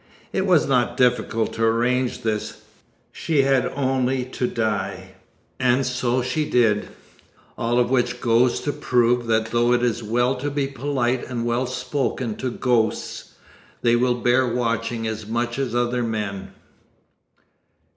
It was not difficult to arrange this. She had only to die. And so she did. All of which goes to prove that though it is well to be polite and well spoken to ghosts, they will bear watching as much as other men.